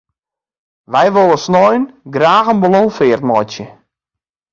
Wy wolle snein graach in ballonfeart meitsje.